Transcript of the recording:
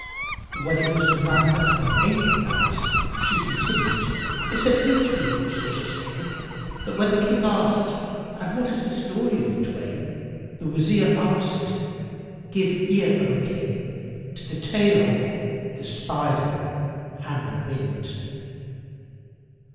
When it was the Nine Hundred and Eighth Night, She continued, It hath reached me, O auspicious King, that when the King asked, "And what is the story of the twain?", the Wazir answered, "Give ear, O King, to the tale of The Spider and the Wind.